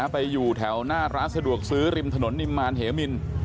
ไปอยู่แถวหน้าร้านสะดวกซื้อริมถนนนิมมารเหมิน